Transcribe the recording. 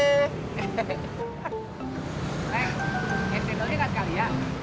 neng esetnya liat kakak alia